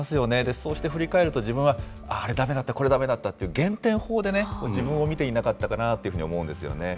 そうして振り返ると、自分はあれだめだった、これだめだったっていうね、減点法でね、自分を見ていなかったかなというふうに思うんですよね。